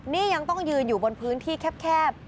นี่ยังต้องยืนอยู่บนพื้นที่แคบ